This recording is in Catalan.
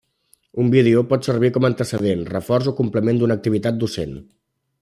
Un vídeo pot servir com antecedent, reforç o complement d'una activitat docent.